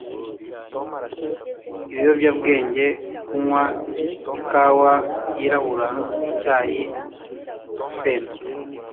ibiyobyabwenge kunywa ikawa yirabura icyayi urusenda